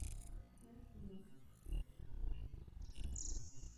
Hovořili jsme o problémech, obtížích, o tom, co nás rozděluje.